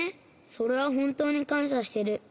それはほんとうにかんしゃしてる。